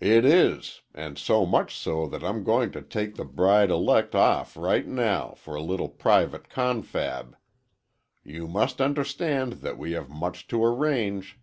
"It is,—and so much so, that I'm going to take the bride elect off right now, for a little private confab. You must understand that we have much to arrange."